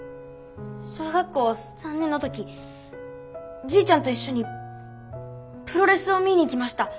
小学校３年の時じいちゃんと一緒にプロレスを見に行きました。